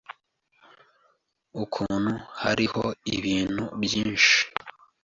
ukuntu hariho ibintu byinshi